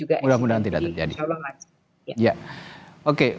atau mudah mudahan tidak terjadi juga insiden di jawa lantai